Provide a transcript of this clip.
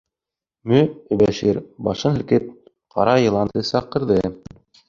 Мө-Өбәшир, башын һелкеп, ҡара йыланды саҡырҙы.